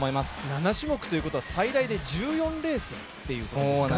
７種目ということは最大で１４レースですよね。